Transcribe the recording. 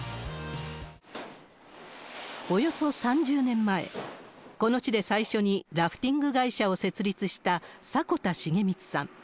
およそ３０年前、この地で最初にラフティング会社を設立した迫田重光さん。